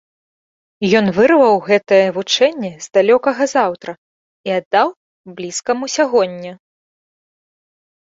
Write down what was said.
Ён вырваў гэтае вучэнне з далёкага заўтра і аддаў блізкаму сягоння.